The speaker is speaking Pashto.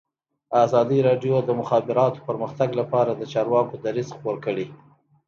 ازادي راډیو د د مخابراتو پرمختګ لپاره د چارواکو دریځ خپور کړی.